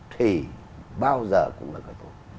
thì bao giờ cũng là cơ chế